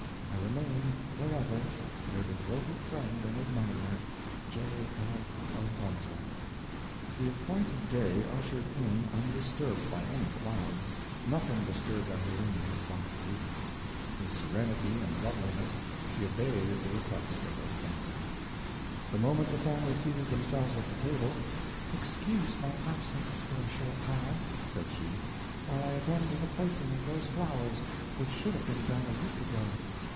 I remain, forever, your devoted friend and admirer, J. I. Elfonzo. The appointed day ushered in undisturbed by any clouds; nothing disturbed Ambulinia's soft beauty. With serenity and loveliness she obeys the request of Elfonzo. The moment the family seated themselves at the table "Excuse my absence for a short time," said she, "while I attend to the placing of those flowers, which should have been done a week ago."